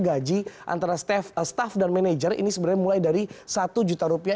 gaji antara staff dan manajer ini sebenarnya mulai dari satu juta rupiah